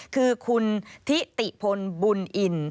คือคุณทิติพลบุญอิน